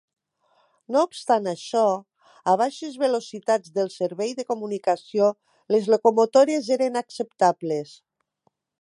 No obstant això, a baixes velocitats del servei de commutació, les locomotores eren acceptables.